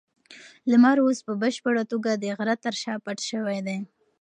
لمر اوس په بشپړه توګه د غره تر شا پټ شوی دی.